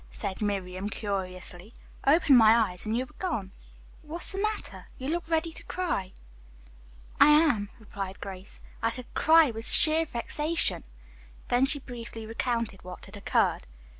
said Miriam curiously. "I opened my eyes and you were gone. What's the matter? You look ready to cry." "I am," replied Grace. "I could cry with sheer vexation." Then she briefly recounted what had occurred.